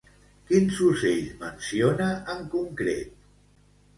Quins ocells menciona en concret?